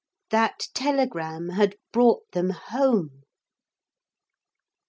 That telegram had brought them home.